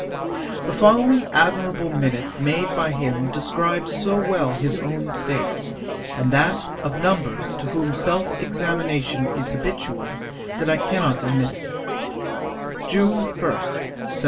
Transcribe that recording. The following admirable minute made by him describes so well his own state, and that of numbers to whom self examination is habitual, that I cannot omit it: 'June 1, 1770.